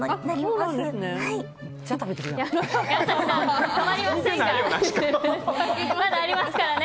まだありますから。